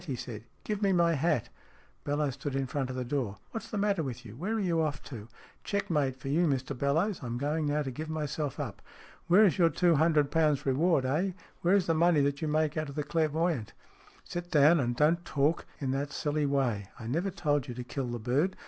he said. " Give me my hat !" Bellowes stood in front of the door. " What's the matter with you ? Where are you off to?" " Checkmate for you, Mr Bellowes. I am going now to give myself up. Where is your two hundred pounds reward, eh ? Where is the money that you make out of the clairvoyant ?"" Sit down, and don't talk in that silly way. I never told you to kill the bird.